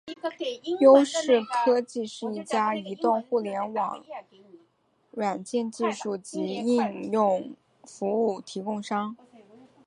优视科技是一家移动互联网软件技术及应用服务提供商。